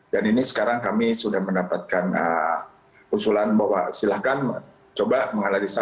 dan ini sekarang kami sudah mendapatkan usulan bahwa silahkan coba mengalarisan